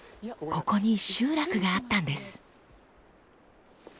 ここに集落があったんです。